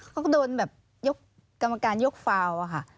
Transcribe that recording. ก็โดนแบบกรรมการยกฟาวค่ะ